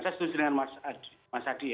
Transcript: saya setuju dengan mas adi ya